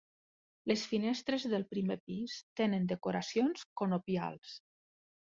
Les finestres del primer pis tenen decoracions conopials.